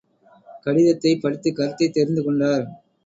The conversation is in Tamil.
கடிதத்தைப் படித்துக் கருத்தைத் தெரிந்து கொண்டார்.